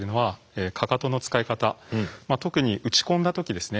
特に打ち込んだ時ですね。